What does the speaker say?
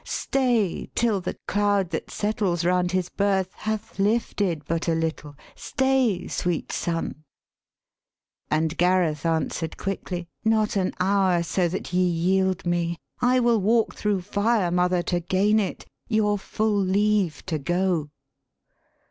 Stay, till the cloud that settles round his birth Hath lifted but a little. Stay, sweet son.' And Gareth answer'd quickly, ' Not an hour, So that ye yield me I will walk thro' fire, Mother, to gain it your full leave to go.'